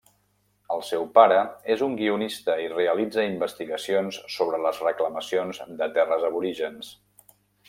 El seu pare és un guionista i realitza investigacions sobre les reclamacions de terres aborígens.